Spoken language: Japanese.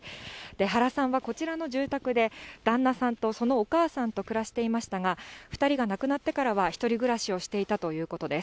原さんはこちらの住宅で旦那さんとそのお母さんと暮らしていましたが、２人が亡くなってからは、１人暮らしをしていたということです。